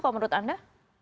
kalau menurut anda